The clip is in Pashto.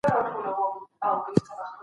هغه والدین چي هڅه کوي بریالي دي.